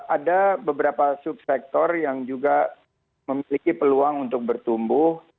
ada beberapa subsektor yang juga memiliki peluang untuk bertumbuh